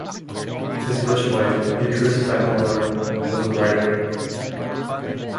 His first wife, Beatrice Bakalyar, was a writer.